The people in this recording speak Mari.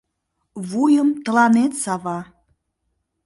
Вуйым тыланет сава.